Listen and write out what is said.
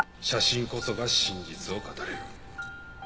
写真こそが真実を語れる。